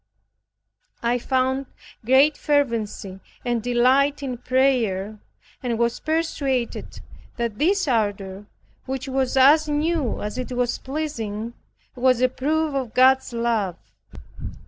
I found great fervency and delight in prayer, and was persuaded that this ardor, which was as new as it was pleasing, was a proof of God's love.